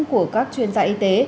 của các chuyên gia y tế